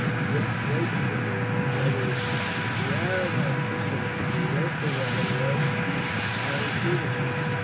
Yet wait for me another week." The Arab of the Bisharin who wrote the letter was Harry Feversham.